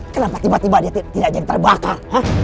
kenapa tiba tiba dia tidak jengter bakal